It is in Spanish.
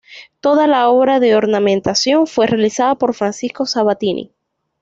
Todo la obra de ornamentación fue realizada por Francisco Sabatini.